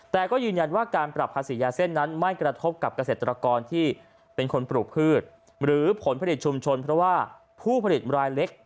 แต่ก็ยืนยันว่าการปรับภาษียาเส้นนั้นไม่กระทบกับเกษตรกรที่เป็นคนปลูกพืชหรือผลผลิตชุมชนเพราะว่าผู้ผลิตรายเล็ก